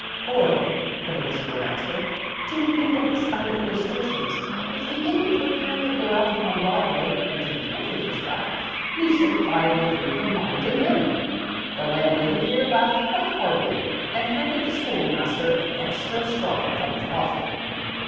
"Or," put in the School master, "to condense our illustrations, if the Idiot would kindly go out upon Broadway and encounter the truck, we should find the three combined in him." The landlady here laughed quite heartily, and handed the School master an extra strong cup of coffee.